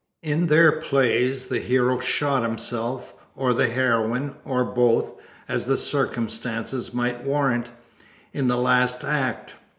In their plays the hero shot himself, or the heroine, or both, as the circumstances might warrant, in the last act.